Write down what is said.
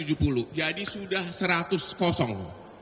jadi sudah seratus kosong